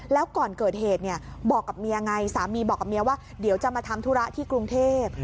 แล้วก่อนเกิดเหตุเนี่ยบอกกับเมียไงสามีบอกกับเมียว่าเดี๋ยวจะมาทำธุระที่กรุงเทพ